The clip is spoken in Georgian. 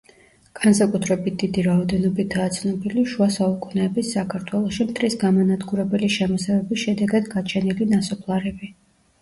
განსაკუთრებით დიდი რაოდენობითაა ცნობილი შუა საუკუნეების საქართველოში მტრის გამანადგურებელი შემოსევების შედეგად გაჩენილი ნასოფლარები.